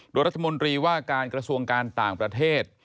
โดยรัฐมนตรีว่าการกระทรวงการต่างประเทศ